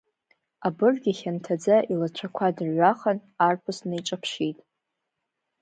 Абырг ихьанҭаӡа илацәақәа дырҩахан, арԥыс днеиҿаԥшит…